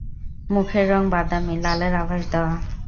মুখের রঙ বাদামি, লালের আভাস দেওয়া।